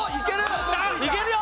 いける！